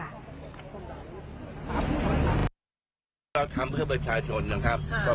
คุณป้องครับเมื่อสักครู่นี้เห็นประยุทธ์บอกว่า